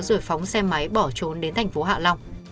rồi phóng xe máy bỏ trốn đến thành phố hạ long